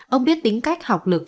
ông biết tính cách học lực